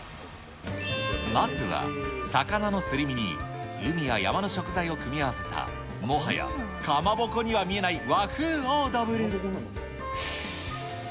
まずは、魚のすり身に海や山の食材を組み合わせた、もはやかまぼこには見えない和風オードブル。